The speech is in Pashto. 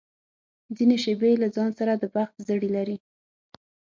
ځینې شېبې له ځان سره د بخت زړي لري.